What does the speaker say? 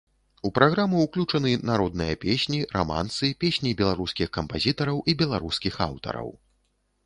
У праграму ўключаны народныя песні, рамансы, песні беларускіх кампазітараў і беларускіх аўтараў.